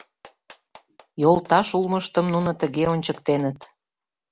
Йолташ улмыштым нуно тыге ончыктеныт.